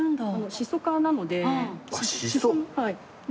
シソ科なので。